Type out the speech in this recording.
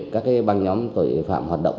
các băng nhóm tội phạm hoạt động